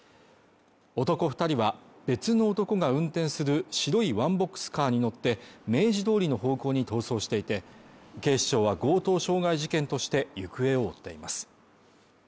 男２人は別の男が運転する白いワンボックスカーに乗って明治通りの方向に逃走していて、警視庁は強盗傷害事件として行方を追っています。